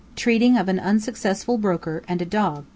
TREATING OF AN UNSUCCESSFUL BROKER AND A DOG.